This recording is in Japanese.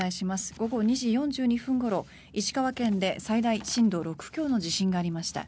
午後２時４２分ごろ石川県で最大震度６強の地震がありました。